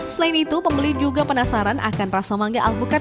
selain itu pembeli juga penasaran akan rasa mangga alpukat